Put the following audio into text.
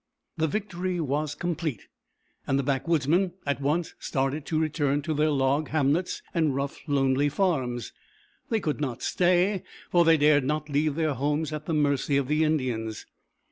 The victory was complete, and the backwoodsmen at once started to return to their log hamlets and rough, lonely farms. They could not stay, for they dared not leave their homes at the mercy of the Indians.